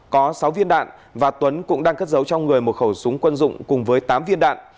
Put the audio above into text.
có sáu viên đạn và tuấn cũng đang cất giấu trong người một khẩu súng quân dụng cùng với tám viên đạn